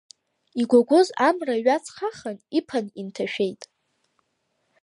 Игәагәоз амра ҩаҵхахан, иԥан инҭашәеит.